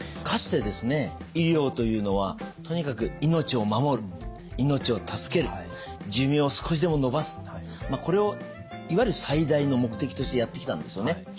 かつてですね医療というのはとにかく命を守る命を助ける寿命を少しでも延ばすこれをいわゆる最大の目的としてやってきたんですよね。